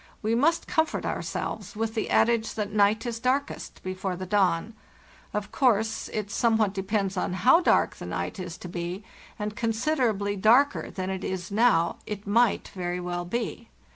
We must comfort ourselves with the adage that night is darkest before the dawn. Of course it somewhat depends on "ow dark the night is to be, and considerably darker than it is now it might very well be.